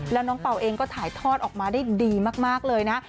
แล้วน้องเปล่าเองก็ถ่ายทอดออกมาได้ดีมากเลยนะ